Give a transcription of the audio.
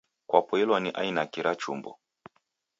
Kwapoilwa ni aina ki ra chumbo?